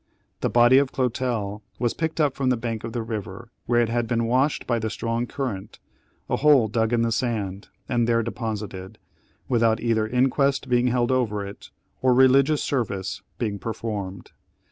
The body of Clotel was picked up from the bank of the river, where it had been washed by the strong current, a hole dug in the sand, and there deposited, without either inquest being held over it, or religious service being performed.